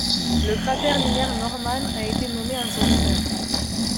Le cratère lunaire Norman a été nommé en son honneur.